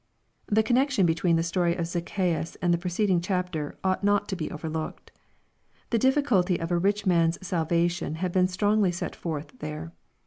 The connection between the story of Zacchaeus and the preced ing chapter, ought not to be overlooked. The difficulty of a rich Lean's salvation had been strongly set forth there.